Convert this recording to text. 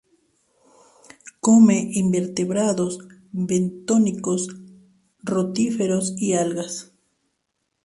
Come invertebrados bentónicos, rotíferos y algas.